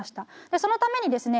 そのためにですね